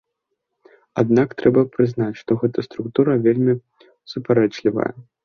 Аднак трэба прызнаць, што гэта структура вельмі супярэчлівая.